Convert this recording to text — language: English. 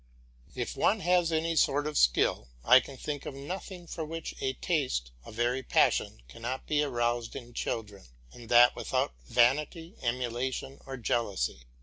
If one has any sort of skill, I can think of nothing for which a taste, a very passion, cannot be aroused in children, and that without vanity, emulation, or jealousy.